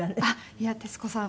いや徹子さん